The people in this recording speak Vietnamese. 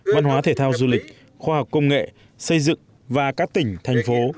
văn hóa thể thao du lịch khoa học công nghệ xây dựng và các tỉnh thành phố